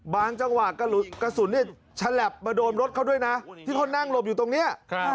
จังหวะกระสุนฉลับมาโดนรถเขาด้วยนะที่เขานั่งหลบอยู่ตรงนี้